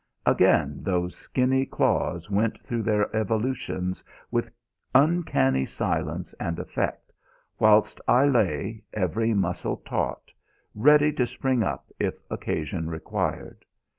Again those skinny claws went through their evolutions with uncanny silence and effect, whilst I lay, every muscle taut, ready to spring up if occasion required.